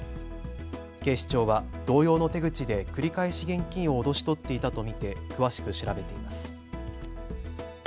警視庁は同様の手口で繰り返し現金を脅し取っていたと見て詳しく調べています。